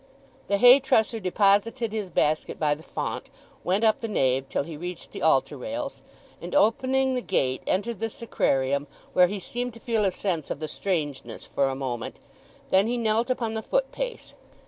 The hay trusser deposited his basket by the font, went up the nave till he reached the altar rails, and opening the gate entered the sacrarium, where he seemed to feel a sense of the strangeness for a moment; then he knelt upon the footpace.